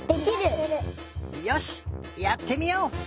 よしやってみよう！